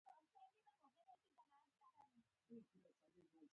• دا ستونزې هغه مهال له منځه تلای شي.